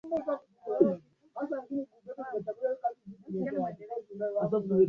was kumi na tano Hadi ishirini na mbili